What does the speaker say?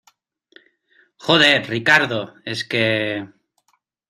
joder, Ricardo , es que...